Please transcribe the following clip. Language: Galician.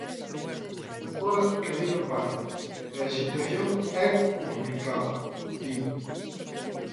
"Agora quedei no paro e a situación é complicada", di.